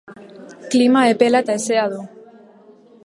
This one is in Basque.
Klima epela eta hezea du.